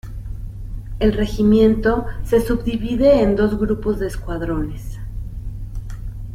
El Regimiento se subdivide en dos Grupos de Escuadrones.